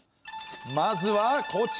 まずはこちら。